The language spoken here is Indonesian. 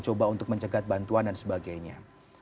coba untuk mencegat bantuan dan sebagainya